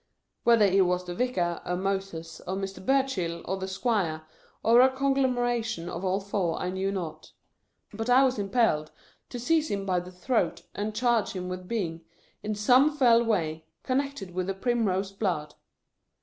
Whether he •was the Vicar, or Moses, or Mr. Burchill, or the Squire, or a conglomeration of all four, I knew not ; but I was impelled to seize him by the throat, and charge him with being, in some fell way, connected with the Primrose blood.